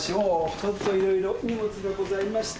ちょっといろいろ荷物がございまして。